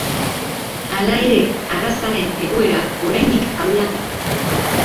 Hala ere arrazaren egoera oraindik ahula da.